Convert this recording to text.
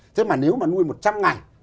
thế mà nếu mà nuôi một trăm linh ngày